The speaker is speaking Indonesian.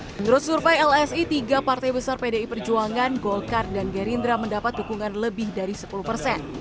menurut survei lsi tiga partai besar pdi perjuangan golkar dan gerindra mendapat dukungan lebih dari sepuluh persen